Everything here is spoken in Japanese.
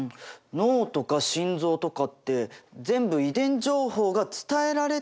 脳とか心臓とかって全部遺伝情報が伝えられてできてるってこと？